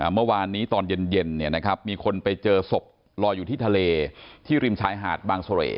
เมื่อวานนี้ตอนเย็นมีคนไปเจอศพลอยอยู่ที่ทะเลที่ริมชายหาดบางเสร่